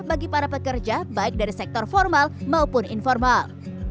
bagi para pekerja baik dari sektor formal maupun informal